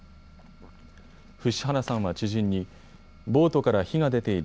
伏原さんは知人にボートから火が出ている。